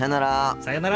さよなら。